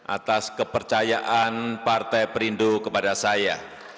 atas kepercayaan partai perindo kepada saya